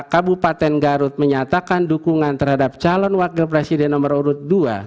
kabupaten garut menyatakan dukungan terhadap calon wakil presiden nomor urut dua